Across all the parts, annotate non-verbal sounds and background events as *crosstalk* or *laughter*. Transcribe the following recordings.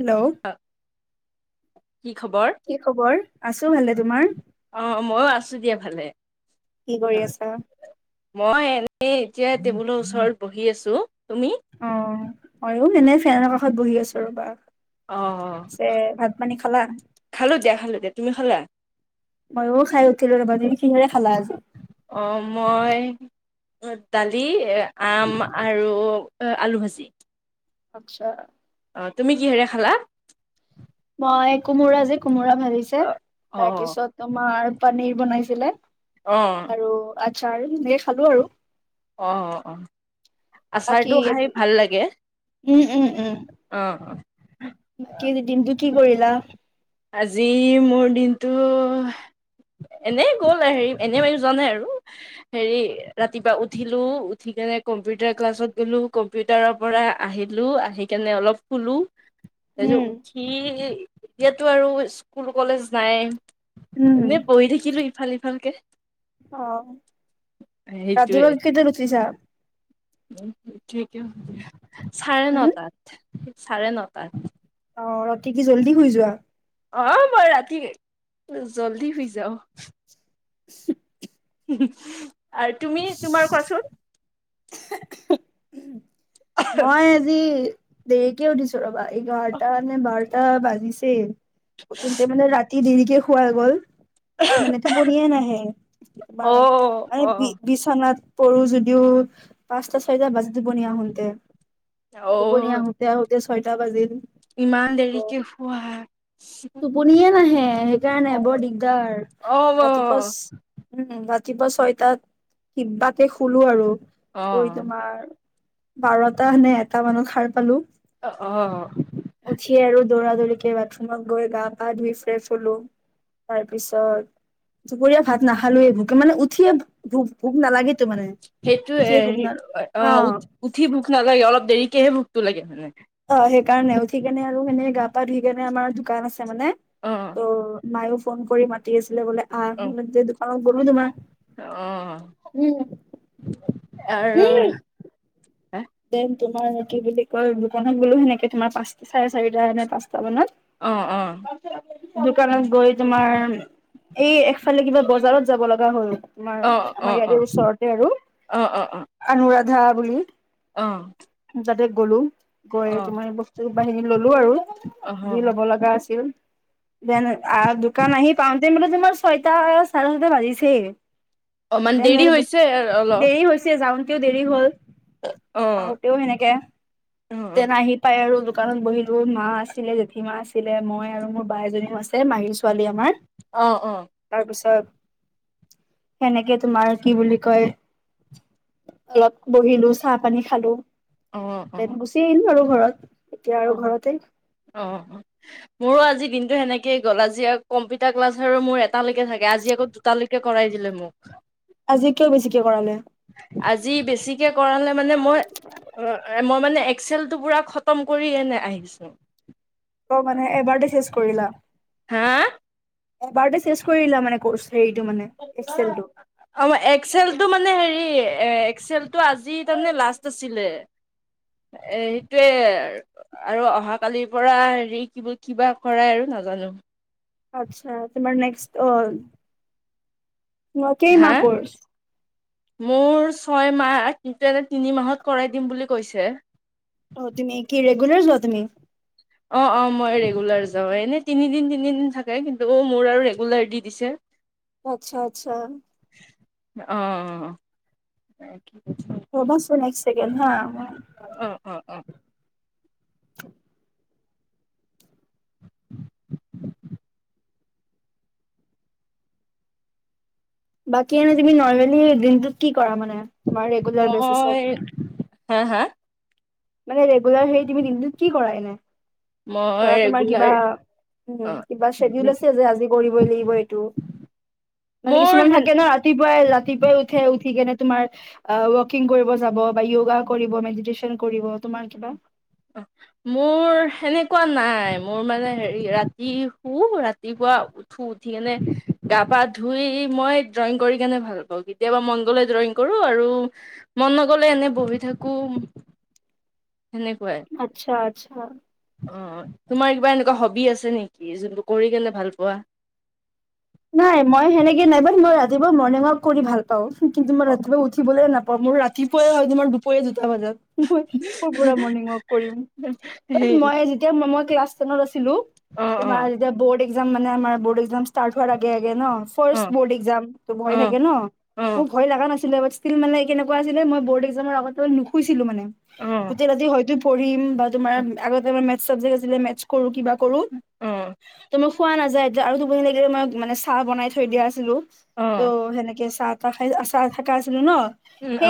Hello কি খবৰ? কি খবৰ আছো ভালে তোমাৰ অ মইও আছো দিয়া ভালে কি কৰি আছা মই এনে এতিয়া টেবুলৰ ওচৰত বহি আছো তুমি অ এনে ফ্ৰে কাষত বহি আছো ৰ'বা অ অ পিছে ভাত পানী খালা খালো দিয়া খালো দিয়া তুমি খালা মইবোৰ খাই উছিলো ৰবজিন অ মই দালি আম আৰু আলু ভাজি আচ্ছা তুমি কিহেৰে খালা মই কোমোৰা যে কোমোৰা ভাজিছে অ' তাৰ অ' পিছত তোমাৰ পনিৰ বনাইছিলে অ' আৰু আচাৰ সেনেকে খালো আৰু অ অ অ বাকী আচাৰটো খাই ভাল লাগে অহ অ কি দিনটো কি কৰিলা আজি মোৰ দিনটো এনেই গ'ল হেৰি এনে মানে যোৱা নাই আৰু হেৰি ৰাতিপুৱা উঠিলো উঠি কে নে কম্পিউটাৰ ক্লাছত গ'লো কম্পিউটাৰৰ পৰা আহিলো আহি কেনে অলপ শোলো তাৰ পিছত উম উঠি এতিয়াতো আৰু স্কুল কলেজ নাই উম এনে বহি থাকিলো ইফাল সিফালকে অ সেইটোয়ে ৰাতিপুৱা কেইটাত উঠিছা *unintelligible* চাৰে উম নটাত চাৰে নটাত অ ৰাতি কি জল্দি শুই যোৱা অ মই ৰাতি জল্দি শুই যাও উ আৰু তুমি তোমাৰ কোৱাচোন মই আজি দেৰিকে উঠিছোঁ ৰবা এইঘাৰটা নে বাৰটা বাজিছে প্ৰথমতে মানে ৰাতি দেৰিকে শুৱা গল মানে টোপনিয়ে নাহে অ এবাৰ মানে অ বি বিচনাত পৰো যদিও পাঁচটা ছয়টা বাজে টোপনি আহোতে অ দুপৰীয়া আহোতে আহোঁতে ছয়টা বাজিল ইমান দেৰিকে শুৱা টোপনিয়ে নাহে সেইকাৰণে অ বৰ দিগদাৰ অ ৰাতিপুৱা উম ৰাতিপুৱা ছয়টাত কিবাকে শুলো আৰু কৈ অ তোমাৰ বাৰটা নে এটা মানত সাৰ পালো অ উঠিয়ে আৰু দৌৰা দৌৰিকে বাথৰুমত গৈ গা পা ধুই ফ্ৰেচ হলো তাৰপিছত দুপৰীয়া ভাত নাখালোৱে ভোকে মানে উঠিয়ে ভ ভ সেইটোৱেই অ উ উঠি ভোক নালাগে অলপ দেৰিকেহে ভোক *unintelligible* লাগে অ সেইকাৰণে উঠি কেনে আৰু এনে গা পা ধুই কেনে আমাৰ দোকান আছে মানে অ ত মায়ও ফোন কৰি মাতি আছিলে বোলে আহ অ মানে দোকানত গ'লো তোমাৰ অ উম আৰু উম দেন তোমাৰ কি বুলি কয় দোকনত গ'লো সেনেকে তোমাৰ পাঁচ চাৰে চাৰিটা নে পাঁচ অ অ *unintelligible* দোকানত গৈ তোমাৰ এই একফালে কিবা বজাৰত যাব লগা হল তোমাৰ অ অ অ অ আমাৰ ইয়াৰে ওচৰতে আৰু অ অ আনৰা *unintelligible* বুলি অ যাতে গ'লো গৈ তোমাৰ বস্তু বাহিনী ললো আৰু অ যি ল'ব লগা আছিল দেন আহ দোকান আহি পাওঁতে মোলে তোমাৰ ছয়টা চাৰে ছয়টা বাজিছে অ মানে দেন দেৰি আৰু হৈছে অলপ দেৰি হৈছে যাওঁতেও দেৰি হ'ল অ আহোঁতেও সেনেকে অ দেন আহি পায় আৰু দোকানত বহিলো মা আছিলে জেঠী মা আছিলে মই আৰু মোৰ বা এজনীও আছে মাহীৰ ছোৱালী আমাৰ অ অ তাৰপিছত সেনেকে তোমাৰ কি বুলি কয় অলপ বহিলো চাহ পানী খালো অ অ দেন গুচি আহিলো আৰু ঘৰত এতিয়া আৰু অ ঘৰতে অ মোৰো আজি দিনটো সেনেকে গ'ল আজি কম্পিউটাৰ ক্লাছ আৰু মোৰ এটালৈকে থাকে আজি আকৌ দুটালৈকে কৰাই দিলে মোক আজি কিয় বেছিকে কৰালে আজি বেছিকে কৰালে মানে মই অ মই মানে এক্সেলটো পুৰা খতম কৰি এনে আহিছো অ মানে এবাৰতে সেজ কৰিলা হা এবাৰতে শেষ কৰি দিলা মান কোৰ্চ আমাৰ এক্সেলটো মানে হেৰি এ এক্সেলটো আজি তাৰমানে লাষ্ট আছিলে এ সেইটোয়ে আৰু অহাকালিৰ পৰা হেৰি কিবা কৰাই আৰু ন *unintelligible* আচ্ছা তোমাৰ নেক্স *unintelligible* হা কেইমাহ কোৰ্চ মোৰ ছয় মাহ কিন্তু এনে তিনি মাহত কৰাই দিম বুলি কৈছে অ তুমি কি ৰেগুলাৰ যোৱা তুমি অ অ মই ৰেগুলাৰ যাও এনেই তিনিদিন তিনিদিন থাকে কিন্তু অ মোৰ আৰু ৰেগুলাৰ দি দিছে আচ্ছা আচ্ছা অ অ ৰবাচোন এক ছেকেণ্ড হা অ অ অ *inaudible* বাকি এনে তুমি নৰ্মেলি দিনটো কি কৰা মানে তোমাৰ ৰেগুলাৰ বেচিছত মই হা হা মানে ৰেগুলাৰ সেই তুমি দিনটোত কি কৰা এনে মই ধৰা তোমাৰ ৰেগুলাৰ কিবা অ উম কিবা শ্বেডিউল আছে যে আজি কৰিবই লাগিব এইটো মানে মোৰ কিছুমান থাকে ন ৰাতিপুৱাই ৰাতিপুৱাই উঠে উঠি কেনে তোমাৰ ৱকিং কৰিব যাব বা য়োগা কৰিব মেডিটচন কৰিব তোমাৰ কিবা অ মোৰ সেনেকুৱা নাই মোৰ মানে হেৰি ৰাতি শু ৰাতিপুৱা উঠো উঠি কেনে গা পা ধুই মই ড্ৰয়িং কৰি কেনে ভাল পাওঁ কেতিয়াবা মনগলে ড্ৰয়িং কৰো আৰু মন নগলে এনে বহি থাকো সনে আচ্ছা আচ্ছা অ তোমাৰ কিবা এনেকুৱা হবি আছে নেকি যোনটোোৰ কৰি কেনে ভাল পোৱা নাই মই সেনেকে নাই বাৰু মই ৰাতিপুৱা মৰ্ণিং ৱাক কৰি ভাল পাওঁ কিন্তু মই ৰাতিপুৱা উঠিবলৈে নাপাওঁ মোৰ ৰাতিপুৱাই হয় তোমাৰ দুপৰীয়া দুটা বজাত মই স পৰাুৰা সেই ম *unintelligible* আো অ অ তমাৰতিয়া ব্ মানে আমাৰ ব্াম াৰ ফ অ বাম ভয় অ থাকে ন অ মোক ভয় লগা নাছিল মানে কেনেকুৱা আছিলে মই ব নুুছিলো মানে অ অ গোেই ৰা হয়ো *inaudible* অ খোৱা নাযায় আৰু দুপ লাগিলে মই মানে চাহ বনাই থৈ দিয়া আছিলো অ ত' সেনেকে চাহ খাই আচাৰ থাকা আছিলো ন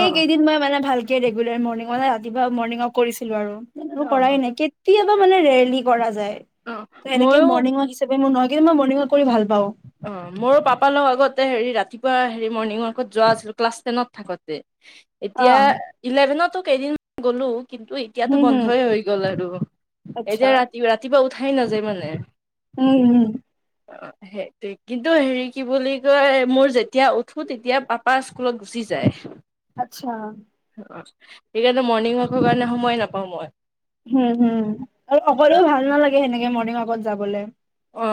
অ কেইদিন মই মানে ভাল ৰেগুলাৰ মৰ্ণঙতে ৰাতিপুৱা মৰ্ণঙক কৰিছিলো আৰু অ কৰাই নাই কেতিয়া মানে ৰেলী কৰা যায়। অ ত' এনেকে ময়ো মৰ্ণিং ৱাক হিচাপে মোৰ নহয় কিন্তু মই মৰ্ণিং ৱাক কৰি ভাল পাওঁ। অ', মোৰো পাপাৰ লগ আগতে হেৰি ৰাতিপুৱা হেৰি মৰ্ণিং ৱাকত যোৱা আছিলো ক্লাছ টেনত থাকোতে। অ এতিয়া ইলেভেনতো কেইদিনমান গ'লো। কিন্তু এতিয়াতো হম হম বন্ধই হৈ গ'ল আৰু আচ্ছা এতিয়া ৰাতি ৰাতিপুৱা উঠাই নাযায় মানে উম উম অ সেইটে কিন্তু হেৰি কি বুলি কয় মোৰ যেতিয়া উঠো তেতিয়া পাপা স্কুলত গুচি জাৰ আচ্ছা ঠিক আছে মৰ্ণিং ৱাক কাৰণে সময়ে নাপাওঁ মই হম হুম আৰু অকলেও ভাল নালাগে সেনেকে মৰ্ণিং ৱাকত যাবলে অ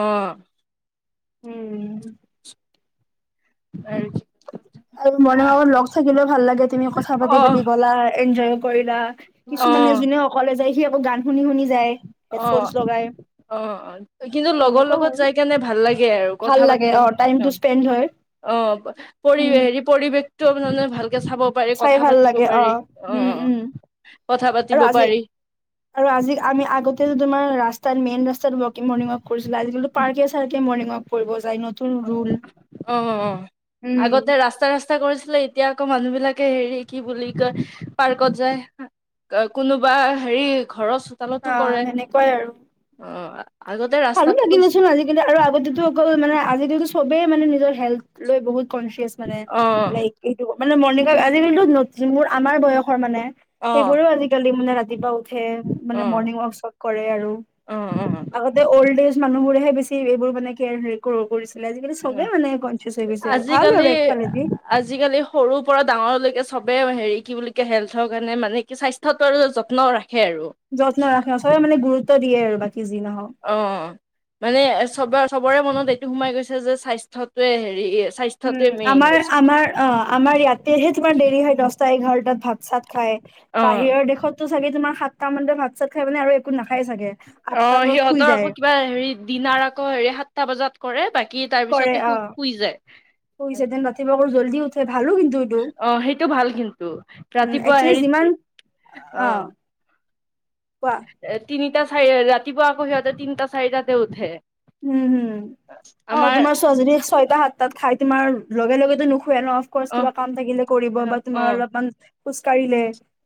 উম। আৰু আৰু মনে ভত লগ থাকিলেও ভাল লাগে তুমি কথা পাতি পাতি অ গ'লা এনজয় কৰিলা অ কিছুমানে যোনে অকলে যায় সি আকৌ গান শুনি শুনি যায় হেডফোনচ লগাই। অ', অ' কিন্তু লগৰ সেনেকুৱা লগত আৰু যাই কেনে ভাল লাগে আৰু ভাল কথা পাতি লাগে কেনে অ'। টাইমটো স্পেণ্ড হয় অ', পৰি উম হেৰি পৰিৱেশটো মানে ভাল চাব পাৰে চাই কথা ভাল পাতিব লাগে অ পাৰে অ উম উম কথা আৰু পাতিব আজি পাৰি আৰু আজিিকাল আমি আগতে যদি তমাৰ ৰা্তাত মেইন ৰাস্তাত ৱকং মৰ্ণং ৱাক কৰিছিলো আজালি প্কে চাৰ্ক মৰ্িং ৱক অ অ অ উম আগতে ৰাস্তা ৰাস্তা চেষ্টা কৰিছিলে এতিয়া আকৌ মানুহ বিলাকে হেৰি কি বুলি কয় পাৰ্কত যায় কোনোবা হেৰি ঘৰৰ চোতালতো অ কৰে সেনেকুৱাই আৰু অ আগতে ভালো ৰাস্তাত কৰিছিল লাগিলেচোন আজিকালি আৰু আগতেতো অকল আজটো চবেই মানে নিজৰ হেল লৈ বহুত কনচিয়াচ মানে অ', লক এইটো মানে মৰ্ণঙক আজিকালিো নতুন মোৰ আমাৰ বয়সৰ মানে অ', সেইবোৰোও আজিকালি মানে ৰাতিপুৱা উঠ হে মানে মৰ্ণিং ৱাক চব কৰে আৰু। অ অ অ আগতে অল্ড এজ মানুহবোৰেহে বেছি এইবোৰ মানে কেয়াৰ কৰি ভাল আৰু আজিকালি একফালেদি আজিকালি সৰুৰ পৰা ডাঙৰলৈকে চব বে হেৰি কি বুলি ক হেল্থৰ কাৰণে মানে কি স্বাস্থ্যয়টো আৰু যত্ন ৰাখে। আৰু যত্ন ৰাখে চবে মানে গুৰুত্ব দিয়ে আৰু। বাকী যি নহওক অ', মানে চব চবৰে মনত এইটো সোমাই গৈছে যে স্বাস্থ্যতোৱে হেৰি আ উম, আমাৰ আমাৰ অ আমাৰ ইয়াতেহে তোমাৰ দেৰি হয় দহটা এঘাৰটাত ভাত চাত খাই অ', বাহিৰৰ দেশতো চাগে তোমাৰ সাতটা মান ভাত চাত খাই মানে আৰু একো নাখায়। চাগে। অ', আঠটা বজাত শুই সিহঁতৰ যায় আকৌ কিবা হেৰি দিনাৰ আকৌ হেৰি সাতটা বজাত কৰে বাকি কি তাৰ কৰে পিছতে শু অ', শুই যায়। শুইছে দেন ৰাতিপুৱা আকৌ জল্দি উঠে ভালো কিন্তু এইটো। অ', সেইটো ভাল কিন্তু উম, ৰাতিপুৱা একচুৱেলি যিমান হেৰিত অ', কোৱা এ তিনি তিনিটা চাৰি ৰাতিুৱা আকৌ সিহঁতে তিনটা চাৰিটাতে উঠে। উম, হম, আমাৰ তোমাৰ ছোৱালীজনীয়ে ছয়টা সাতটাত খাই তোমাৰ লগে লগেটো নুখ শুৱে ন, অফকৰ্চ অ', কিবা কাম থাকিলে কৰিব বা অ', তুমাৰ অ', অলপমান খোজ কাঢ়িলে।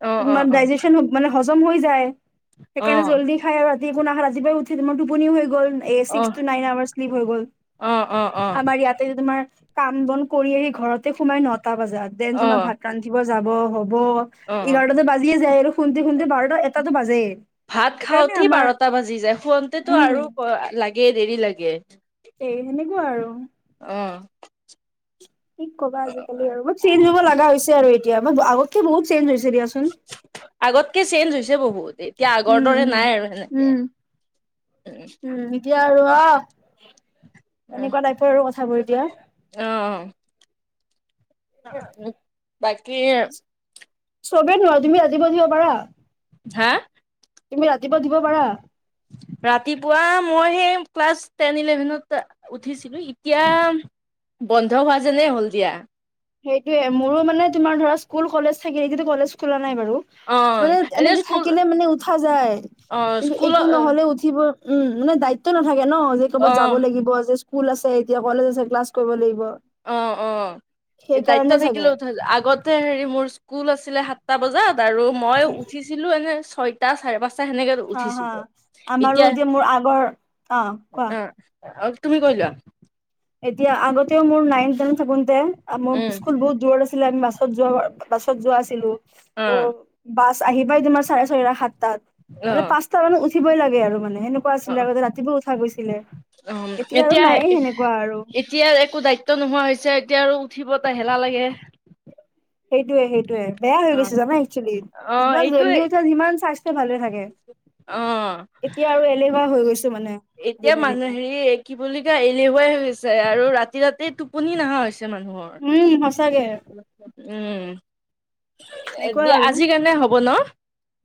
অ', তোমাৰ অ', অ', অ', ডাইজেচন মানে হজম হৈ যায়, সেইকাৰণে অ', জল্দি খাই আৰু ৰাতি মই নাহে ৰাজিুৱাই উঠি মই টোপনিও হৈ গ'ল। এ ছিক্স অ', টো নাইন আৰ শ্লিক হৈ গ'ল। অ', আমাৰ ইয়াতে তোমাৰ কাম বন কৰি আহি ঘৰতে সোমাই নটা বজাত, দেন অ', তোমাৰ ভাত ৰান্ধিব যাব হ'ব। হব অ', অ ইঘাৰটাতে বাজিয়ে যায় আৰু শুনতে শুনতে বাৰটা এটাতো বাজেই। ভাত সেইকাৰণে খাওঁতেই আমাৰ বাৰটা বাজি যায় শুৱনতে উম আৰু লাগে দেৰি লাগে। এই সেনেকুৱা আৰু। অ'। কি ক'বা আজিকালি আৰু চেঞ্জ হ'ব লগা হৈছে আৰু এতিয়া ম-আগতক বহুত চেঞ্জ হৈছে। দিয়াচোন আগতকে চেঞ্জ হৈছে বহুত। এতিয়া আগৰ উম, দৰে উম, নাই আৰু সেনেকে উম, উম এতিয়া আৰু অ' এনেকুৱা টাইপৰ আৰু কথাবোৰ এতিয়া। অ', অ'। বাকী চবেই নোৱাৰ, তুমি ৰাতিপুৱা দিব পাৰা? হে? তুমি ৰাতিপুৱা দিব পাৰা? ৰাতিপুৱা মই সেই ক্লাছ টেন ইলেভেনত উঠিছিলো, এতিয়া বন্ধ হোৱা যেনে হ'ল দিয়া। সেইটোয়ে মোৰো মানে তোমাৰ ধৰা স্কুল কলেজ থাকে, কিন্তু কলেজ খোলা নাই বাৰু অ মানে এনে এনেকে স্কুল থাকিলে মানে উঠা যায়। অ কিন্তু স্কুল একো অ নহলেও উঠিব। উম মানে দায়িত্ব নাথাকে ন, যে অ ক'ৰবাত যাব লাগিব, যে স্কুল আছে এতিয়া, কলেজ আছে, ক্লাছ কৰিব লাগিব। অ', অ', দায়িত্ব সেইকাৰণে চাগে থাকিলে উঠা আগতে হেৰি মোৰ স্কুল আছিলে হাত টা বজাত আৰু মই উঠিছিলো এনে ছয়টা চাৰে পাঁচ সেনেকে হা হা উঠিছিলো। আমাৰো এতিয়া মোৰ আগৰ অ কোৱা আহ আৰু তুমি কৈ লোৱা? এতিয়া আগতেও মোৰ নাইন টেন থাকোতে মোৰ উম স্কুল বহুত দূৰত আছিল। আমি বাছত যোৱা বাছত যোৱা আছিলো অ ত বাছ আহি পাই তোমাৰ চাৰে ছয়টা সাত তাত অ মানে পাঁচটা মানে উঠিবই লাগে আৰু মানে। সেনেকুৱা অ আছিলে আগতে ৰাতিপুৱা উঠা গৈছিলে, এতিয়া আৰু নায়ে সেনেকা। এতিয়া একো দায়িত্ব নোহোৱা হৈছে, এতিয়া আৰু উঠিব এ হেলা লাগে। সেইটোয়ে সেইটয়ে বেয়া হৈ অ গৈছে জানা এক্চোৱেলি অ যিমান এইটোয়ে জল্দি উঠা যিমান স্বাস্থ্য ভালে থাকে। অ এতিয়া আৰু এলেহুৱা হৈ গৈছে। এতিয়া মানুহ হেৰি কি বুলি কা এলেহুৱাই হৈছে আৰু ৰাতি ৰাতি টোপনি নহা হৈছে। মানুহৰ, উম সঁচাকে উম। সেনেকুৱা দিয়া, আৰু আজিৰ কাৰণে হ'ব ন?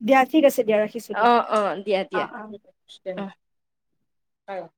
দিয়া ঠিক আছে দিয়া ৰাখিছো দিয়া অ', অ', দিয়া অ অ দিয়া। হয়।